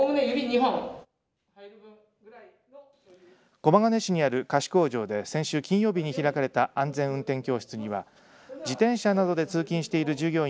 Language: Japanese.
駒ヶ根市にある菓子工場で先週金曜日に開かれた安全運転教室には自転車などで通勤している従業員